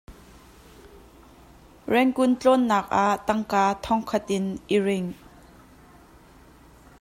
Yangon tlawnnak ah tangka thong khat in i ring.